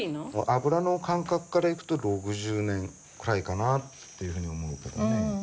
油の感覚からいくと６０年くらいかなっていうふうに思うけどね。